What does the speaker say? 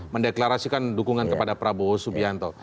mendeklarasikan dukungan kepada prabowo subianto